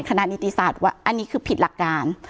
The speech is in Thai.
นิติศาสตร์ว่าอันนี้คือผิดหลักการ